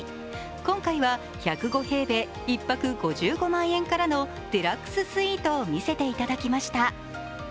今回は１０５平米１泊５５万円からのデラックススイートを見せていただきました。